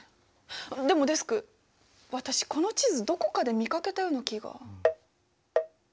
でもデスク私この地図どこかで見かけたような気が。